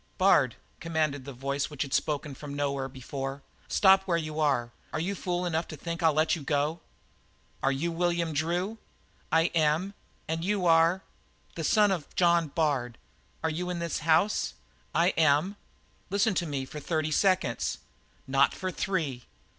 "Bard!" commanded the voice which had spoken from nowhere before. "Stop where you are. Are you fool enough to think that I'll let you go?" "Are you William Drew?" "I am, and you are " "The son of John Bard. Are you in this house?" "I am; Bard, listen to me for thirty seconds " "Not for three.